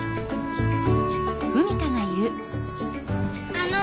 あの。